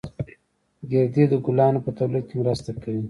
گردې د ګلانو په تولید کې مرسته کوي